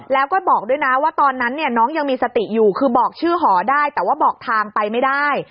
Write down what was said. แล้วก็บอกด้วยนะว่าตอนนั้นเนี่ยน้องยังมีสติอยู่คือบอกชื่อหอได้แต่ว่าบอกทางไปไม่ได้